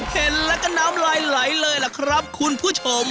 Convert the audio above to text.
เห็นแล้วก็น้ำลายไหลเลยล่ะครับคุณผู้ชม